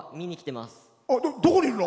どこにいるの？